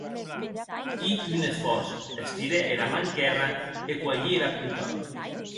Hi un esfòrç, estirè era man quèrra e cuelhí era copa.